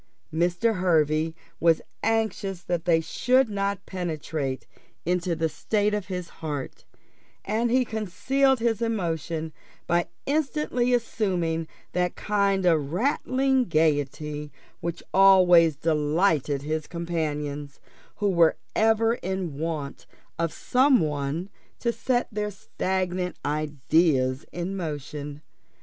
Mr. Hervey was anxious that they should not penetrate into the state of his heart, and he concealed his emotion by instantly assuming that kind of rattling gaiety which always delighted his companions, who were ever in want of some one to set their stagnant ideas in motion.